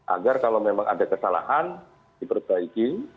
agar kalau memang ada kesalahan diperbaiki